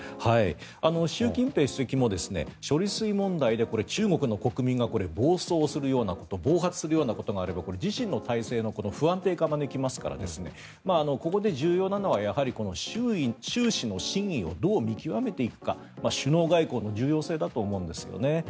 習近平主席も処理水問題で中国の国民が暴走するようなこと暴発するようなことがあれば自身の体制の不安定化を招きますからここで重要なのは習氏の真意をどう見極めていくか首脳外交の重要性だと思うんです。